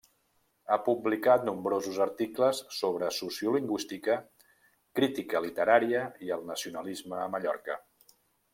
Ha publicat nombrosos articles sobre sociolingüística, crítica literària i el nacionalisme a Mallorca.